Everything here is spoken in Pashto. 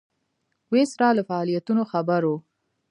ویسرا له فعالیتونو خبر وو.